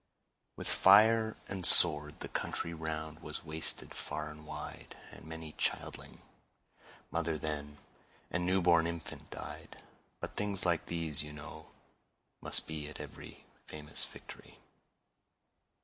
With fire and sword the country round Was wasted far and wide; And many a childing mother then, And new born infant, died; But things like these, you know, must be At every famous victory.